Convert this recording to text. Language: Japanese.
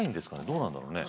どうなんだろうね。